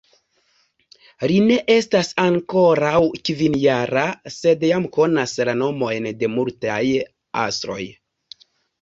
Li ne estas ankoraŭ kvinjara, sed jam konas la nomojn de multaj astroj.